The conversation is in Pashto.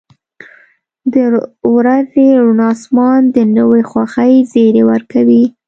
• د ورځې روڼ آسمان د نوې خوښۍ زیری ورکوي.